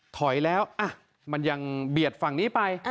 ถอยแล้วมันยังเบียดฝั่งนี้ไป